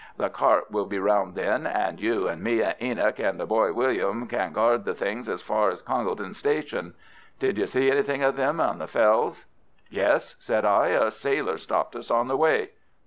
The cart will be round then, and you and me and Enoch and the boy William can guard the things as far as Congleton station. Did you see anything of them on the fells?" "Yes," said I; "a sailor stopped us on the way."